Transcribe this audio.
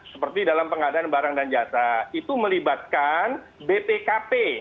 seperti dalam pengadaan barang dan jasa itu melibatkan bpkp